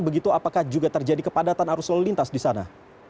begitu apakah juga terjadi kepadatan arus lalu lintas di sana